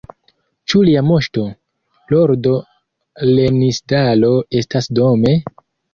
Ĉu Lia Moŝto, Lordo Lenisdalo estas dome?